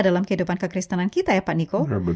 dalam kehidupan kekristenan kita ya pak niko